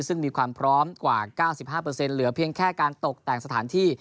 ซึ่งมีความพร้อมกว่า๙๕เหลือเพียงแค่การตกแต่งสถานที่